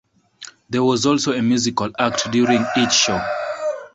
There was also a musical act during each show.